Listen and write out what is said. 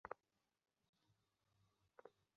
তুমি নেশায় ভুলভাল বকছ।